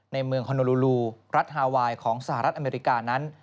ในเมืองฮอโนลูลูรัฐฮาไวน์ของสหรัฐอเมริกานั้น